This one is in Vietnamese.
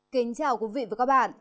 kính chào quý vị và các bạn